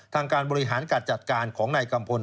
ทางการบริหารการจัดการของนายกัมพล